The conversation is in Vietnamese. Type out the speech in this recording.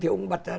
thì ông bắt ra